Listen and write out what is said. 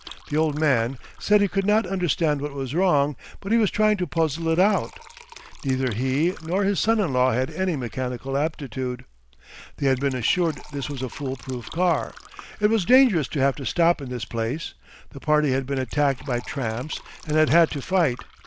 The old man, said he could not understand what was wrong, but he was trying to puzzle it out. Neither he nor his son in law had any mechanical aptitude. They had been assured this was a fool proof car. It was dangerous to have to stop in this place. The party had been attacked by tramps and had had to fight.